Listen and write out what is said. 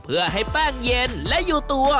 เพื่อให้แป้งเย็นและอยู่ตัว